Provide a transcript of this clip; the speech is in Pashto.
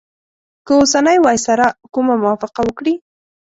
که اوسنی وایسرا کومه موافقه وکړي.